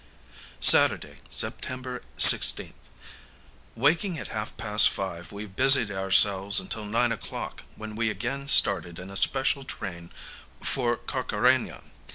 _ Saturday, September 16th. Waking at half past five, we busied ourselves until nine o'clock, when we again started in a special train for Carcara├▒a.